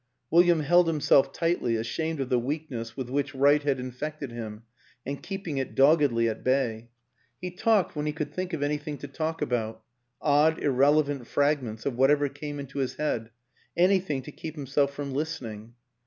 William held himself tightly, ashamed of the weakness with which Wright had infected him and keeping it doggedly at bay; he talked when he could think of any thing to talk about odd irrelevant fragments of whatever came into his head, anything to keep himself from listening.